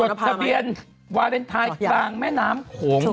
ทะเบียนวาเลนไทยกลางแม่น้ำโขง